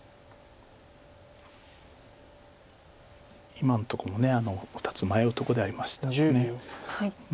今のとこも２つ迷うとこではありましたよね。